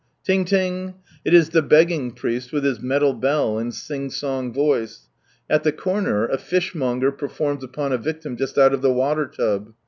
" Tiiig ling!" It is the begging priest, with his metal bell, and sing song voice. At the corner a fishmonger performs upon a victim just out of the water tub.